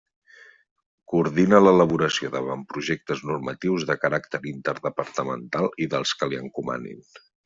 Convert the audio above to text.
Coordina l'elaboració d'avantprojectes normatius de caràcter interdepartamental i dels que li encomanin.